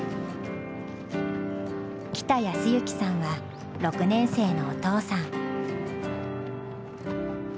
北泰之さんは６年生のお父さん。